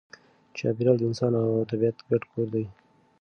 چاپېریال د انسان او طبیعت ګډ کور دی.